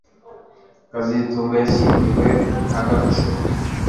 kazitunga yashyingiwe agarutse